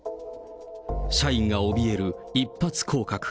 社員がおびえる一発降格。